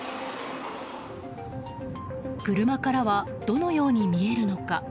車からは、どのように見えるのか。